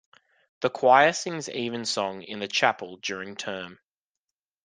The choir sings Evensong in the chapel during term.